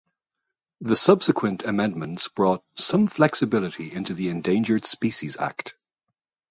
The subsequent amendments brought "some flexibility into the Endangered Species Act".